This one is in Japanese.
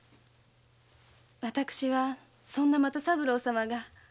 私はそんな又三郎様が。